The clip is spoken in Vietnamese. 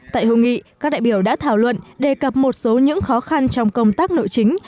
tại hội nghị các đại biểu đã thảo luận đề cập một số những khó khăn trong công tác nội chính